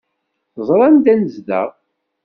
Teẓra anda nezdeɣ.